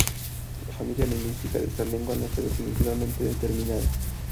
La familia lingüística de esta lengua no está definitivamente determinada.